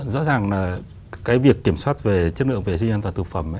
rõ ràng là cái việc kiểm soát về chất lượng vệ sinh an toàn thực phẩm